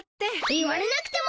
言われなくても。